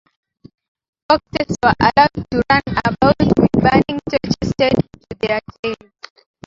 Foxes were allowed to run about with burning torches tied to their tails.